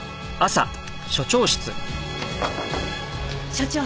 所長